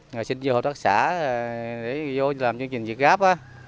rồi xin vô hợp tác xã để vô làm chương trình việc gáp